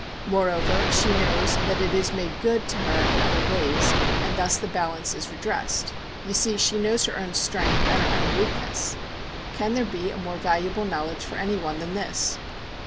Moreover, she knows that it is made good to her in other ways, and thus the balance is redressed. You see, she knows her own strength and her own weakness. Can there be a more valuable knowledge for anyone than this?